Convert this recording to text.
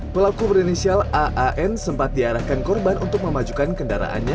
pelaku berinisial aan sempat diarahkan korban untuk memajukan kendaraannya